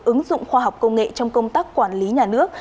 ứng dụng khoa học công nghệ trong công tác quản lý nhà nước